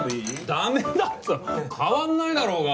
ダメだって変わんないだろうが。